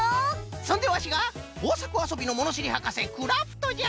そんでわしがこうさくあそびのものしりはかせクラフトじゃ！